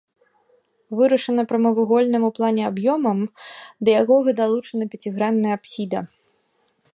Вырашана прамавугольным у плане аб'ёмам, да якога далучана пяцігранная апсіда.